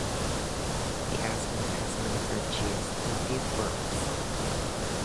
The Aston has many virtues and few faults.